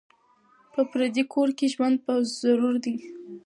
په پردي کور کي ژوند په ضرور دی